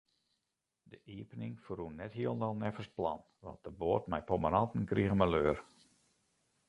De iepening ferrûn net hielendal neffens plan, want de boat mei pommeranten krige maleur.